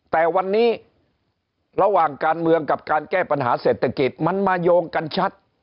แต่วันนี้ระหว่างการเมืองกับการแก้ปัญหาเศรษฐกิจมันมาโยงกันชัด